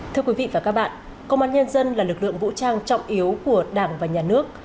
thưa quý vị và các bạn công an nhân dân là lực lượng vũ trang trọng yếu của đảng và nhà nước